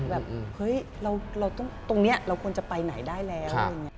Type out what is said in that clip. แบบเฮ้ยตรงนี้เราควรจะไปไหนได้แล้ว